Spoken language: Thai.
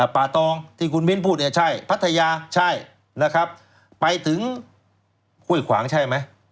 ตองที่คุณมิ้นพูดเนี่ยใช่พัทยาใช่นะครับไปถึงห้วยขวางใช่ไหม